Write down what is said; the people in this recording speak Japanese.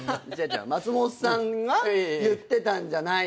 松本さんが言ってたんじゃないのか？